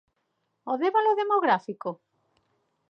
¿O devalo demográfico?